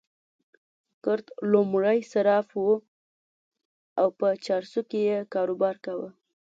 کرت لومړی صراف وو او په چارسو کې يې کاروبار کاوه.